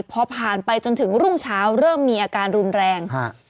พอผ่านไปจนถึงรุ่งเช้าเริ่มมีอาการรุนแรงฮะ